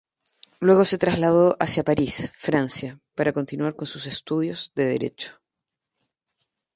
Luego se trasladó hacia París, Francia para continuar con sus estudios de derecho.